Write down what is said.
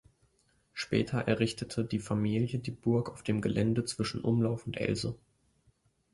Später errichtete die Familie die Burg auf dem Gelände zwischen Umlauf und Else.